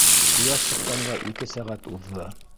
Ҡояш сыҡҡанға ике сәғәт уҙҙы.